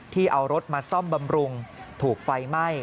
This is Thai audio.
เอารถมาซ่อมบำรุงถูกไฟไหม้